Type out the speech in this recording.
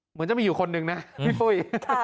เหมือนจะมีอยู่คนนึงนะพี่ปุ้ย